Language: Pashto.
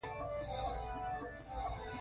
افغانستان کې منی د خلکو د خوښې وړ ځای دی.